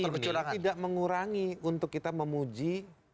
masalah ini tidak mengurangi untuk kita memuji